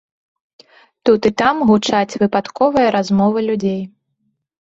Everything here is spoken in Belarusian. Тут і там гучаць выпадковыя размовы людзей.